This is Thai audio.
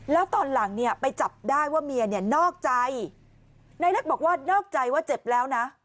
แล้วตอนหลังเนี่ยไปจับได้ว่าเมียเนี่ยนอกใจนายเล็กบอกว่านอกใจว่าเจ็บแล้วนะ